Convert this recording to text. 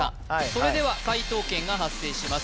それでは解答権が発生します